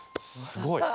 すごいよ。